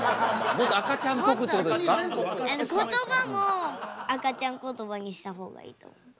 もっとことばも赤ちゃんことばにした方がいいと思った。